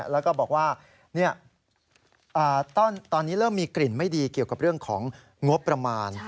แล้วก็บอกว่าตอนนี้เริ่มมีกลิ่นไม่ดีเกี่ยวกับเรื่องของงบประมาณ